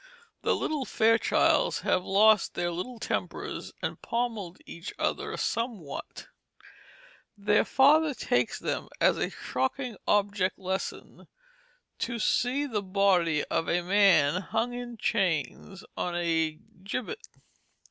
The little Fairchilds having lost their little tempers and pommelled each other somewhat, their father takes them as a shocking object lesson to see the body of a man hung in chains on a gibbet.